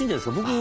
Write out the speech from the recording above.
僕